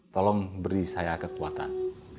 tolong beri saya kekuatan